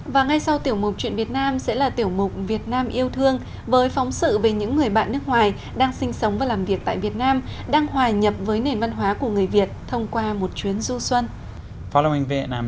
và ngay sau tiểu mục chuyện việt nam sẽ là tiểu mục việt nam yêu thương với phóng sự về những người bạn nước ngoài đang sinh sống và làm việc tại việt nam đang hòa nhập với nền văn hóa của người việt thông qua một chuyến du xuân